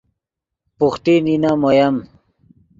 بوخٹی نینم اویم